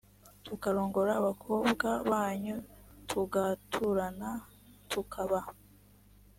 tukarongora abakobwa banyu tugaturana tukaba